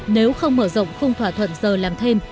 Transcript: nếu không mở rộng khung thỏa thuận giờ làm thêm